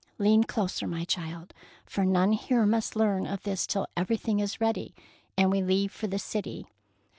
" Lean closer, my child, for none here must learn of this till everything is ready and we leave for the city.